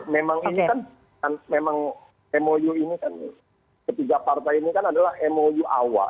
memang ini kan memang mou ini kan ketiga partai ini kan adalah mou awal